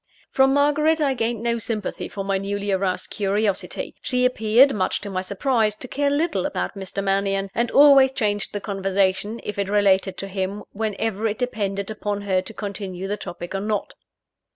From Margaret I gained no sympathy for my newly aroused curiosity. She appeared, much to my surprise, to care little about Mr. Mannion; and always changed the conversation, if it related to him, whenever it depended upon her to continue the topic or not.